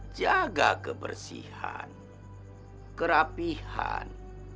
jaga kebersihan kerapihan